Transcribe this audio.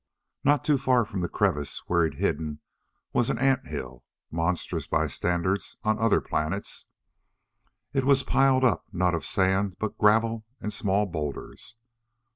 Not too far from the crevice where he'd hidden was an ant hill, monstrous by standards on other planets. It was piled up not of sand but gravel and small boulders.